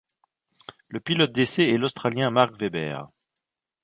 Le pilote d'essais est l'Australien Mark Webber.